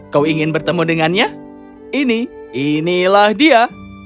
kau ingin bertemu dengannya ini inilah dia